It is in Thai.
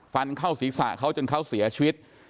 ฟันเข้าศีรษะเขาจนเขาเสียชีวิต